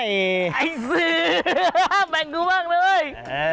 ไอ้ซื้อแม่งกูมากเลย